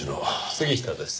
杉下です。